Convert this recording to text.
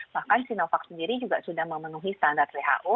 bahkan sinovac sendiri juga sudah memenuhi standar who